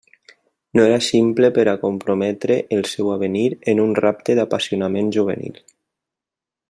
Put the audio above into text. No era ximple per a comprometre el seu avenir en un rapte d'apassionament juvenil.